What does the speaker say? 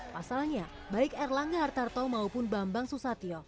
pasalnya baik erlangga hartarto maupun bambang susatyo